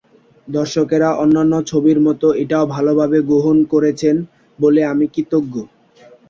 দর্শকেরা অন্যান্য ছবির মতো এটাও ভালোভাবে গ্রহণ করেছেন বলে আমি কৃতজ্ঞ।